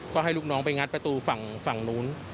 ก็ให้ลูกน้องไปงัดประตูฝั่งนู้น